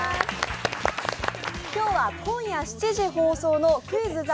今日は今夜７時放送の「クイズ！